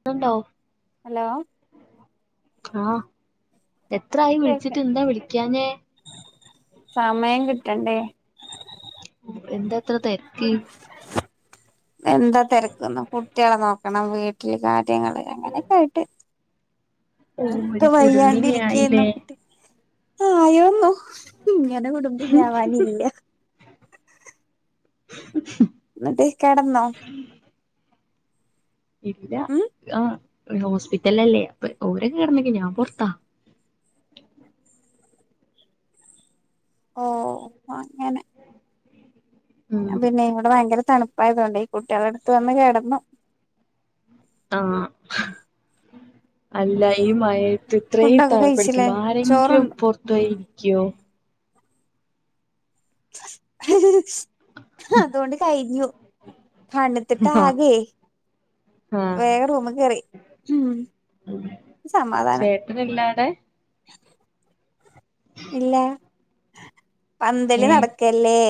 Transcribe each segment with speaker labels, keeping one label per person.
Speaker 1: ക്ക്ണണ്ടോ
Speaker 2: hello
Speaker 1: ആഹ് എത്ര ആയി
Speaker 2: കേക്ക
Speaker 1: വിളിച്ചിട്ട് എന്താ വിളിക്കാഞ്ഞേ
Speaker 2: സമയം കിട്ടണ്ടേ
Speaker 1: എന്താത്ര തെരക്ക്
Speaker 2: എന്താ തെരക്കന്നോ കുട്ടികളെ നോക്കണം വീട്ടില് കാ റ്റ് നിങ്ങള് അങ്ങനെയൊക്കെ ആയിട്ട്
Speaker 1: ഓഹ് ഒരു
Speaker 2: ട്ടും വയ്യാണ്ട്
Speaker 1: കുടുംബിനി ആയില്ലേ
Speaker 2: ഇരിയ്ക്കാരുന്നു കുട്ടി ആയോന്നോ ഇങ്ങനെ കുടുംബിനി ആവാൻ നില്ല എന്നിട്ട് കെടന്നോ
Speaker 1: ഇല്ല ആഹ് ഹോസ്പിറ്റലല്ലേ അപ്പൊ ഓരക്കെ കെടന്ന്ക്ക ഞാൻ പൊറത്താ
Speaker 2: ഓ അങ്ങനെ
Speaker 1: ഉം
Speaker 2: പിന്നെ ഇവിടെ ഭയങ്കര തണുപ്പായതോണ്ടെ ഈ കുട്ട്യാളടുത്ത് വന്ന് കെടന്നു
Speaker 1: ആഹ് അല്ല ഈ മഴേ- ത്ത് ഇത്രേം
Speaker 2: ഫുഡൊക്കെ കഴിച്ചില്ലേ
Speaker 1: തണുപ്പടിക്കുമ്പ ആരെങ്കിലും
Speaker 2: ചോറുണ്ട്
Speaker 1: പൊറത്തോയിരിക്കോ
Speaker 2: [unintelligible] അതുകൊണ്ട് കയ്ഞ്ഞു തണിത്തിട്ടാകെ
Speaker 1: ആഹ്
Speaker 2: വേഗം റൂമികേറി സമാധാനം
Speaker 1: ചേട്ടനില്ലാടെ
Speaker 2: ഇല്ല പന്തല്
Speaker 1: ഏഹ്
Speaker 2: നടക്കല്ലേ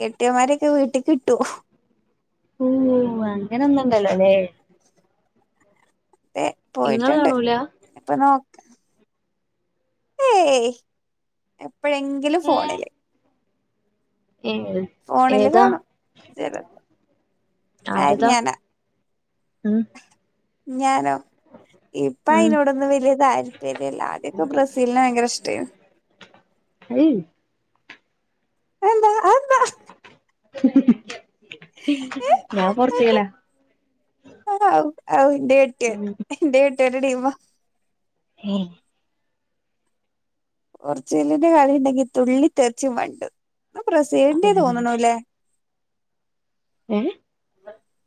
Speaker 2: കെട്ടിയമാരൊക്കെ വീട്ടിൽ കിട്ടൊ
Speaker 1: ഓ അങ്ങനൊന്നുണ്ടല്ലോല്ലേ
Speaker 2: അതെ
Speaker 1: ഇങ്ങള്
Speaker 2: പോയിട്ട്ണ്ട്
Speaker 1: കാണൂല
Speaker 2: ഇപ്പൊ നോ- ഏയ് എപ്പഴെങ്കിലും
Speaker 1: ഏഹ്
Speaker 2: ഫോണില്
Speaker 1: ഏഹ്
Speaker 2: ഫോണില്
Speaker 1: ഏതാ
Speaker 2: കാണും ചില ആര്
Speaker 1: ആരുതാ
Speaker 2: ഞാനാ
Speaker 1: ഉം
Speaker 2: ഞാനോ ഇപ്പ
Speaker 1: ഉം
Speaker 2: അയിനോടൊന്നും വല്യ താരിപര്യില്ല ആദ്യൊക്കെ ബ്രസീലിനെ ഭയങ്കര ഇഷ്ടായിന്
Speaker 1: അഹ്
Speaker 2: അയെന്താ ഏ
Speaker 1: [unintelligible] ഞാൻ
Speaker 2: അതെന്താ
Speaker 1: പോർച്ച്ഗല
Speaker 2: ഔ ഔ എന്റെ കെട്ടിയോൻ എന്റെ കെട്ടിയോന്റെ ടീമ
Speaker 1: ഏഹ്
Speaker 2: പോർച്ചഗലിന്റെ കളി ഉണ്ടെങ്കി തുള്ളി തെറിച്ചും മണ്ട് ഇന്ന് ബ്രസീലിന്റയ
Speaker 1: അതന്നെ
Speaker 2: തോന്നണൂല്ലേ
Speaker 1: ഏ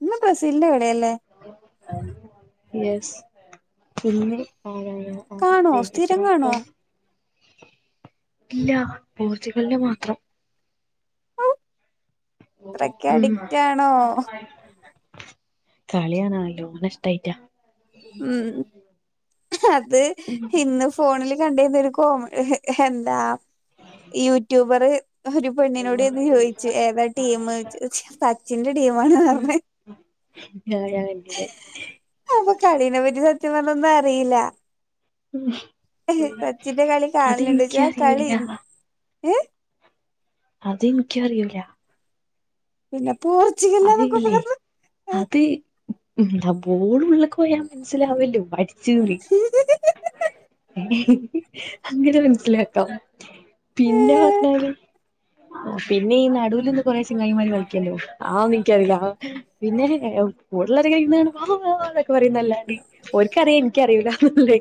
Speaker 2: ഇന്ന് ബ്രസീലിന്റെ കളി-
Speaker 1: യസ്സ് പിന്നെ [unintelligible] ആറ്
Speaker 2: കാണോ സ്ഥിരം കാണോ
Speaker 1: എത്രാമത്തെ ഇല്ല പോർച്ചുഗലിന് മാത്രം
Speaker 2: ഔ ഇത്രക്ക്
Speaker 1: ഉം
Speaker 2: അഡിക്റ്റ് ആണോ
Speaker 1: കളിയാണനല്ലോണ ഇഷ്ടായിറ്റാ
Speaker 2: ഉം അത് ഇന്ന് ഫോണില് കണ്ടിരുന്നൊരു കോമ എന്താ യൂട്യൂബറ് ഒരു പെണ്ണിനോടെന്ന് ചോയ്ച്ച് ഏതാ ടീമ് ചോയ്ച്ച് സച്ചിന്റെ ടീമാണ് പറഞ്ഞ്
Speaker 1: ആഹ് ഞാകണ്ടീന്
Speaker 2: അപ്പൊ കളീനെ പറ്റി സത്യം പറഞ്ഞൊന്നും അറിയില്ല.
Speaker 1: ഉം
Speaker 2: സച്ചിന്റെ കളി കാണല്ണ്ട്ച്ചാ കളി
Speaker 1: എനിക്കറിയൂല അതെനിക്കുംഅറിയൂല.
Speaker 2: പിന്നെ പോർച്ചുഗലാന്നൊക്കെ
Speaker 1: അതില്ലേ
Speaker 2: പറഞ്ഞു
Speaker 1: അത് ന്താ ബോളുള്ളക്ക് പോയ മനസ്സിലാവല്ലോ അടിച്ചൂറി. അങ്ങനെ മനസിലാക്കാം. പിന്നെപറങ്ങ്ല് പിന്നെ ഈ നടുവിലിന്ന് കൊറേചങ്ങായ്മാറ് കളി ക്കല്ലോ ആനൊനിക്കറിയില്ല പിന്നെ കൂടൊളോരെക്കിര്ന്നകാണുമ്പ വ വ വൊക്കെ പറയുന്നല്ലാണ്ട്. ഓര്ക്കറിയാം എനിക്കറിയൂല്ലന്നൊള്ളെ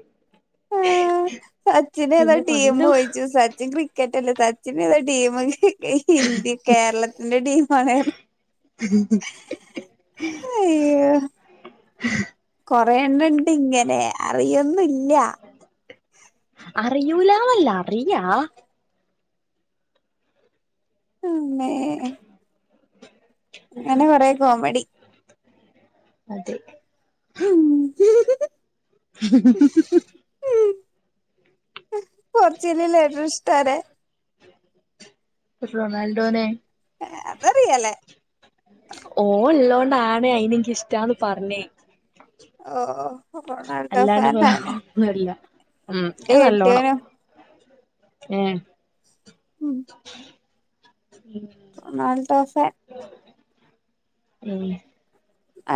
Speaker 2: ആഹ് സച്ചിന് ഏതാ
Speaker 1: പിന്നെ പന്ത്
Speaker 2: ടീമോയിച്ചു സച്ചിൻ ക്രിക്കറ്റ് അല്ലെ. സച്ചിനേത ടീമ് ഇന്ത്യ കേരളത്തിന്റെ ടീ ആയ
Speaker 1: ഉം
Speaker 2: കൊറയണണ്ട് ഇങ്ങനെ അറിയൊന്നല്ല.
Speaker 1: അറിയൂലാവല്ല അറിയാ
Speaker 2: ന്നേ അങ്ങനെ കൊറെ കോമഡി.
Speaker 1: അതെ
Speaker 2: ഉം
Speaker 1: [unintelligible]
Speaker 2: പോർച്ചല് ഏറ്റവും ഇഷ്ടാരെ?
Speaker 1: റൊണാൾഡോനെ
Speaker 2: അതറിയാലേ
Speaker 1: ഓല്ലോ നാണ് അയിനെനക്ക് ഇഷ്ടാന്ന് പറഞ്ഞേ.
Speaker 2: ഓ ഓ
Speaker 1: അല്ലാണ്ട് പോന്നല്ല ഉം
Speaker 2: എന്റെ
Speaker 1: അ നല്ലോണം
Speaker 2: കെട്ടിയോനും
Speaker 1: ഏ
Speaker 2: ഉം നാല് ദോഫെ
Speaker 1: ഉം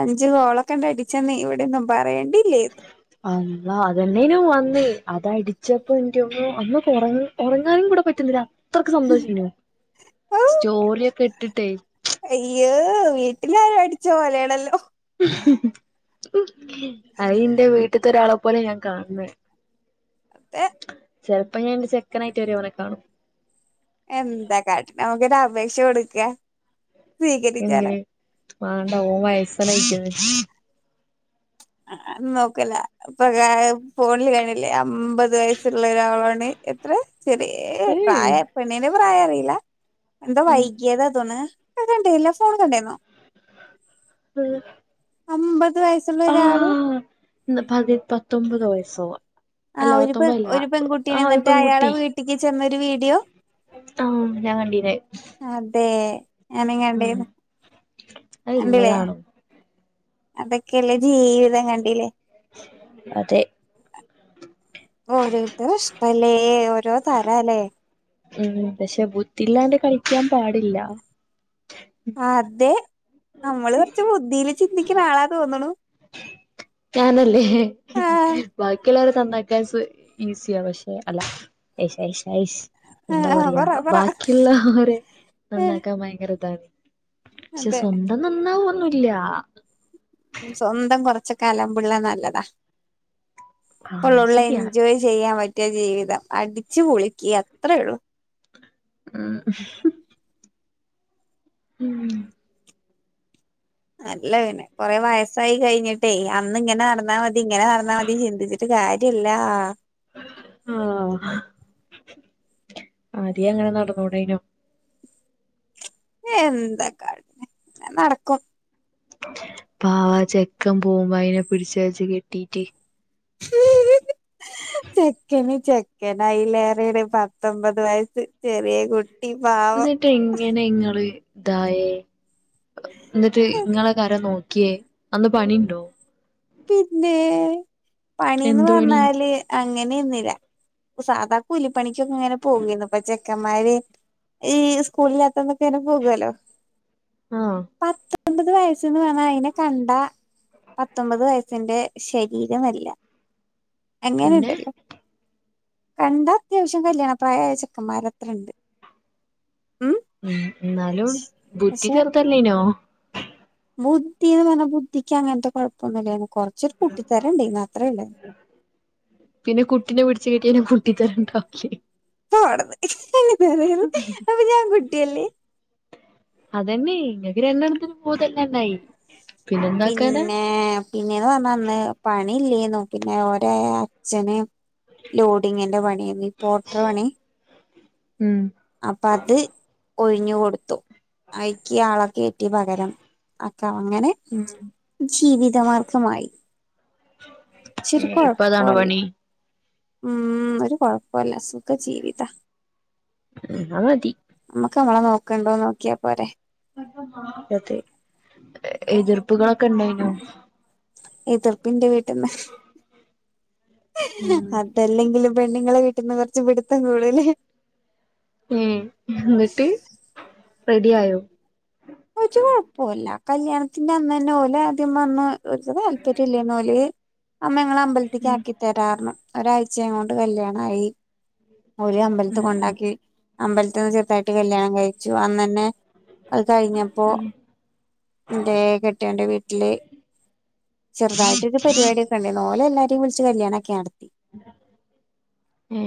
Speaker 2: അഞ്ചു ഗോളൊക്കെ ഉണ്ട അടിച്ചന്ന് ഇവിടെന്നും.
Speaker 1: അളള അതെന്നേനു അത അടിച്ചപ്പോ എന്റെന്നും അന്നൊ ഉറങ്ങാനും കൂടെ പറ്റുന്നില്ല. അത്രക്കെ സന്തോഷേനു സ്റ്റോറിയൊക്കെ ഇട്ടിട്ടേ
Speaker 2: അയ്യ വീട്ടിലാരോ അടിച്ചോ പോലയാണല്ലോ?
Speaker 1: അയി എന്റെ വീട്ടത്തെ ഒരാളെപ്പോലെ ഞാൻ കാണണ്.
Speaker 2: അതെ
Speaker 1: ചെപ്പോ ഞാൻന്റെ സെക്കൻ ആയിട്ട് വരവനെ കാണും.
Speaker 2: എന്താ കാട്ട നമുക്കിത് അപേക്ഷ കൊടുക്ക. സ്വീകരിച്ചാലോ
Speaker 1: എന്ന് വാണ്ട ഓ വയസനയിക്ണ്
Speaker 2: ആ നോക്കല ഇപ്പൊ ഫോണില് കാണില്ലേ അമ്പത് വയസ്സുള്ള ഒരാളാണ്. എത്ര ശെരി പ്രായ
Speaker 1: ഏയ്
Speaker 2: പിന്നേ പെണ്ണിന്റെ പ്രായ അറിയില്ല എന്താ
Speaker 1: ഉം
Speaker 2: വൈകിയത അതോന്ന്. [unintelligible] കണ്ടേല്ല ഫോൺ കണ്ടേന്നോ?
Speaker 1: ആഹ
Speaker 2: അമ്പത് വയസ്
Speaker 1: ആ പ പത്തൊമ്പത് വയസ്സോ?
Speaker 2: ആ
Speaker 1: അല്ല
Speaker 2: ഒരു പെ
Speaker 1: പത്തൊമ്പതല്ല
Speaker 2: ഒരു പെൺകുട്ടി നെ
Speaker 1: ആഹ് ഒരു
Speaker 2: ന്നിട്ട് അയാളെ
Speaker 1: പെൺകുട്ടി
Speaker 2: വീട്ടിലക്ക് ചെന്നൊരു വീഡിയോ
Speaker 1: ആഹ് ഞാൻ കണ്ടീനെ
Speaker 2: അതെ ഞാനിങ്ങട്ടെ
Speaker 1: അത്ള്ളതാണോ
Speaker 2: അതൊക്കെയല്ലേ ജീവിതം കണ്ടില്ലേ
Speaker 1: അതെ
Speaker 2: ഓരോരുത്തർും ഇഷ്ടല്ലേ ഓരോ താരല്ലേ.
Speaker 1: ഉം പക്ഷെ ബുത്തില്ലാണ്ട് കളിക്കാൻ പാടില്ല.
Speaker 2: അതെ നമ്മള് കുറച്ച് ബുദ്ധിയില് ചിന്തിക്കണ ആളാ തോന്ണു
Speaker 1: ഉ [inaudible] ഞാനല്ലേ
Speaker 2: ആഹ്
Speaker 1: ബാക്കിയുള്ളരെ തന്നാക്കാ ഈസിയ പക്ഷെ അല്ല ശരി
Speaker 2: ആഹ്
Speaker 1: അയ്സ്എന്താ
Speaker 2: ആഹ്
Speaker 1: പറയാ
Speaker 2: പറ പറ
Speaker 1: ബാക്കിയുളേളരെ
Speaker 2: ഏഹ്
Speaker 1: നന്നാക്കാൻ ഭയങ്കര ഇതാണ്. പക്ഷെ
Speaker 2: അതെ
Speaker 1: സ്വന്തം നന്നാവൊന്നുല്യാ
Speaker 2: സ്വന്തം കുറച്ചൊക്കെ അല്ല പിള്ളെ നല്ലതാ
Speaker 1: ആഹ്
Speaker 2: അപ്പള്ളള്ള
Speaker 1: ശരിയാ
Speaker 2: എൻജോയ് ചെയ്യാൻ പറ്റ നിത്യജീവിതം അടിച്ചു പൊളിക്കാ അത്രയള്ളു
Speaker 1: ഉം ഉംഹ്
Speaker 2: അല്ലപിന്നെ കൊറെ വയസ്സായി കഴിഞ്ഞിട്ടേ അന്ന്ങ്ങനെ നടന്നാ മതി ഇങ്ങനെ നടന്നാ മതി ചിന്തിച്ചിട്ട് കാ കാര്യല്ലാ
Speaker 1: ആഹ് ആദ്യ അങ്ങനെ നടന്നുടെനോ?
Speaker 2: എന്താ കാട്ട്ണെ ഇങ്ങനെനടക്കും
Speaker 1: പാവാ ചെക്കം പോവുമ്പോ അയിനെ പിടിച്ച് വെച്ച് കെട്ടീട്ട്
Speaker 2: ചെക്കന് ചെക്കനൈലേറേണ് പത്തൊമ്പത് വയസ്സ് ചെറ്യേ കു
Speaker 1: ന്ന്ട്ട് എങ്ങനെ ഇങ്ങള് ഇതായേ? ഇന്ന്ട്ട് ഇങ്ങളെക്കെ ആരാ നോക്ക്യേ അന്ന് പണിണ്ടോ?
Speaker 2: പിന്നേ പന്നീന്ന്
Speaker 1: എന്ത് പണി
Speaker 2: പറഞ്ഞാല് അ അങ്ങനേര്ന്നില സാധാ കൂലിപ്പണിക്കൊക്കെങ്ങനെ പോകേര്ന്നു ഇപ്പ ചെ ചെക്കമ്മാര് ഈ സ്കൂളില്ലാത്തന്നൊക്കെങ്ങനെ പോകോലോ
Speaker 1: ആഹ്
Speaker 2: പത്താ പത്തൊമ്പത് വയസ്ന്ന് പറഞ്ഞാ അയിനെ കണ്ടാ പത് പത്തൊമ്പത് വയസിന്റെ ശരീരമല്ല
Speaker 1: പിന്നെ
Speaker 2: അങ്ങനെണ്ടല്ലോ കണ്ട അത്യാവ്ശ്യം കല്യാണ പ്രായായ ചെക്കമ്മാരത്രണ്ട്
Speaker 1: ഉം ന്നാലും ബുദ്ധി
Speaker 2: പക്ഷെ
Speaker 1: ചെർതല്ലെയ്നോ?
Speaker 2: ബുദ്ധീന്ന് പറഞ്ഞാ ബുദ്ധിക്കങ്ങനത്തെ കൊഴപ്പൊന്നുല്ലയ്ന്നു കൊറച്ചൊര് കുട്ടിത്തരണ്ടായ്ന്നു അത്രേയൊള്ളു
Speaker 1: കുട്ടിത്തരണ്ടാവൂലെ?
Speaker 2: പോ ഔട്ന്ന് അപ്പൊ ഞാം കുട്ട്യല്ലേ?
Speaker 1: അതന്നെ ഇങ്ങക്ക് രണ്ടെണ്ണത്തിനും ബോധല്ലാണ്ടായി പിന്നെന്താക്കാനാ
Speaker 2: പിന്നെ പിന്നേന്ന് പറഞ്ഞാ അന്ന് പണി ഇല്ലേന്നു പിന്നെ ഓരെ അച്ഛന് ലോഡിങ്ങിന്റെ പണിയേന്ന് ഈ പോട്ടറ പണി
Speaker 1: ഉം
Speaker 2: അപ്പ അത് ഒഴിഞ്ഞു കൊടുത്തു അയ്ക്കി ആളൊക്കെ റ്റി പകരം അപ്പൊ അങ്ങനെ
Speaker 1: ഉം
Speaker 2: ജീവിതമാർഗമായി ച്ചൊരു
Speaker 1: ഇപ്പൊ അതാണ്
Speaker 2: കൊഴപ്പോല്ലാ
Speaker 1: പണി
Speaker 2: ഉം ഒരു കൊഴപ്പോല്ല സുഖ ജീവിത
Speaker 1: ഉം ന്നാമതി
Speaker 2: ക്കമ്മളെ നോക്ക്ണ്ടോ നോക്കിയാ പോരെ.
Speaker 1: അതെ എതിർപ്പ്കളൊക്കെണ്ടെയ്നോ
Speaker 2: എതിർപ്പിന്റെ വീട്ട്ന്ന് ഹ്
Speaker 1: ഉം
Speaker 2: അതല്ലെങ്കിലും പെണ്ണുങ്ങളെ വീട്ട
Speaker 1: ഉം ന്ന്ട്ട് റെഡിയായോ
Speaker 2: ഒരു കൊഴപ്പോല്ല കല്യാണത്തിന്റെ അന്നെന്നെ ഓലാദ്യം പർഞ്ഞു ഓര്ക്ക് താല്പര്യല്ലേന്നോല് അമ്മേ ങ്ങളെ അമ്പല്ത്ത്ക്കാക്കി തരാറ്ഞ്ഞു ഒരാഴ്ച്ചോണ്ട് കല്യാണായി ഓല് അമ്പല്ത്ത് കൊണ്ടാക്കി അമ്പലത്ത്ന്ന് ചെറ്തായിട്ട് കല്യാണം കഴിച്ചു അന്നെന്നെ കഴിഞ്ഞപ്പോ ന്റെ കെട്ടിയോന്റെ വീട്ടില് ചെറുതായിട്ടൊരു പരിവാടിയൊക്കെ ണ്ടേന്നു ഓല് എല്ലാരെ വിളിച്ച് കല്യാണാക്കി നടത്തി.
Speaker 1: ഏ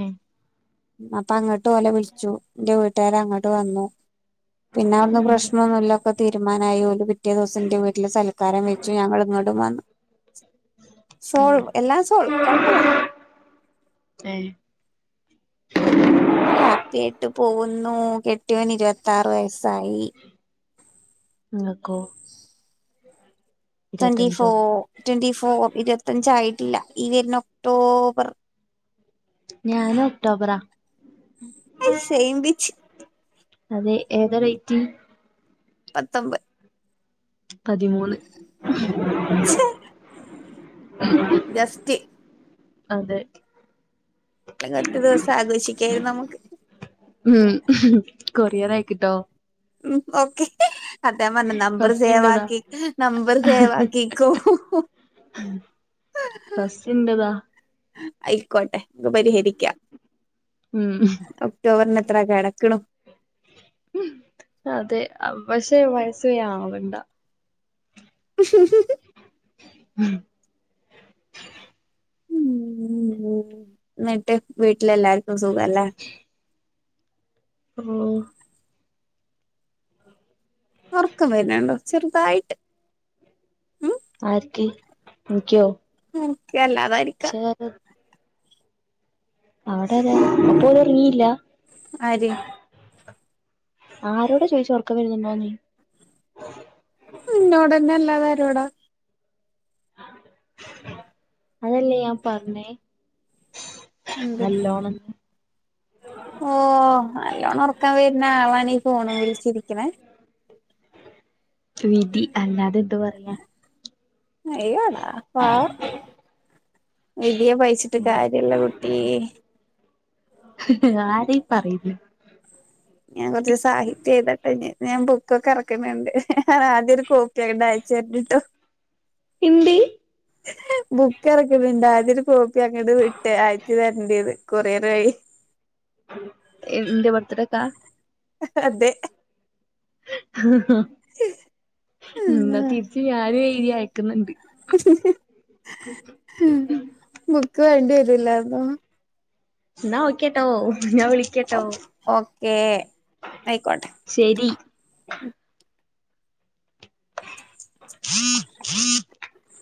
Speaker 2: അപ്പൊ അങ്ങട്ട് ഓലെ വിളിച്ചു ന്റെ വീട്ട്കാര് അങ്ങട്ട് വന്നു പിന്നെ അവിടുന്ന് പ്രശ്ന ലൊക്കെ തീരുമാനായി പിറ്റേ ദിവസം ന്റെ വീട്ടില് സൽക്കാരം വെച്ചു ഞങ്ങള് ഇങ്ങോട്ടും വന്നു. സോൾവ് എല്ലാം സോൾവ് കൊഴപ്പല്ല
Speaker 1: ഏ
Speaker 2: പ്പോ ഹാപ്പി ആയിട്ട് പോകുന്നു കെ ട്ട്യോന് ഇരുവത്താറ് വയസ്സായി
Speaker 1: നിങ്ങക്കോ
Speaker 2: ട്വന്റി ഫോ
Speaker 1: ഇരുപത്തഞ്ചോ
Speaker 2: ട്വന്റി ഫോർ ഇരുപത്തഞ്ചായി ട്ടില്ലാ ഈ വരുന്ന ഒക്ടോബർ.
Speaker 1: ഞാന് ഒക്ടോബറാ
Speaker 2: അയ് സെയിം ബീച്ച്
Speaker 1: അതെ ഏതാ റേറ്റ്
Speaker 2: പത്തൊമ്പത്
Speaker 1: പതിമൂന്ന്
Speaker 2: ഗസ്റ്റ്
Speaker 1: അതെ
Speaker 2: അല്ലെങ്കി ഒറ്റ ദിവസം ആഘോഷിക്കായിരുന്നു നമുക്ക്
Speaker 1: ഉം കൊറിയറ ആയിക്കിട്ടോ
Speaker 2: ഉം ഓക്കെ അതെ ഞാൻ പറഞ്ഞ നമ്പർ
Speaker 1: ഫസ്റ്റ്
Speaker 2: സേവാ
Speaker 1: ഇന്റതാ
Speaker 2: ആക്കി നമ്പർ സേവാ ആക്കിക്കോ
Speaker 1: ഫസ്റ്റ്ന്റത
Speaker 2: ആയിക്കോട്ടെ പരിഹരിക്ക
Speaker 1: ഉം
Speaker 2: ഒക്ടോബറിന എത്ര കെടക്ക്ണു
Speaker 1: ഹുംഅതെ പക്ഷേ വയസ് യാവണ്ട
Speaker 2: [unintelligible]
Speaker 1: [inaudible]
Speaker 2: ഉം ന്ട്ട് വീട്ടിലെല്ലാർക്കും സുഖ ല്ലേ
Speaker 1: ഓ
Speaker 2: ഉറക്കം വെര്ണുണ്ടോ ചെറുതായിട്ട്
Speaker 1: ആര്ക്കി ഇനിക്കോ
Speaker 2: എനക്ക് അല്ലാതാരിക്കാ
Speaker 1: അവടാരാ അപ്പോല് ഒറങ്ങില്ല
Speaker 2: ആര്
Speaker 1: ആരോട ചോദിച്ചോ ഒറക്ക വരുന്നുണ്ടോന്ന്
Speaker 2: ഇന്നോടന്നെ അല്ലാതാരോടാ
Speaker 1: അതല്ലേ ഞാ പറഞ്ഞേ
Speaker 2: എന്ത്
Speaker 1: നല്ലോണ്
Speaker 2: ഓ നല്ലോണം ഒറക്കം വരുണ ആളണീ ഫോണും വിളിച്ചിരിക്കിണേ
Speaker 1: വിധി അല്ലാതെ പറയാ
Speaker 2: അയ്യോടാ പാവം വിധിയെ പൈച്ചിട്ട് കാര്യല്ല കുട്ടി
Speaker 1: ആര ഈ പറിയിണ്
Speaker 2: ഞാൻ കൊറച്ച് സാഹിത്യ എഴ്തട്ടിനി ഞാൻ ബുക്കൊക്കെ എറക്ക്ന്ന്ണ്ട് ആദ്യ ഒരു കോപ്പിയങ്ങട്ടയ [unintelligible]
Speaker 1: ഹിന്ദി
Speaker 2: ബുക്ക് എറക്ക്ണ്‌ണ്ട് ആദ്യം ഒരു കോപ്പി അങ്ങട്ട് വിട്ടേ അയച്ച് തരണ്ടന്ന് കൊറിയറായി
Speaker 1: എന്ത് വത്തട്ത്ത
Speaker 2: അതെ
Speaker 1: നാ തിരിച്ച് ഞാനും എഴുതി അയക്ക് ന്ന്ണ്ട്
Speaker 2: ബുക്ക് വേണ്ടി വെരുലെ അപ്പം
Speaker 1: ന്നാ ഓക്കേട്ടോ ഞാ
Speaker 2: ഓ
Speaker 1: വിളിക്കട്ടോ
Speaker 2: ഓക്കേ ആയിക്കോട്ടെ
Speaker 1: ശരി [unintelligible]